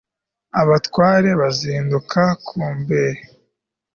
abatware bazindukira ku mbehe